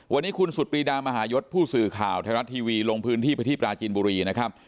วันนี้คุณสุดปรีดามหายศผู้สื่อข่าวไทยรัฐทีวีลงพื้นที่ไปที่ปราจีนบุรีนะครับ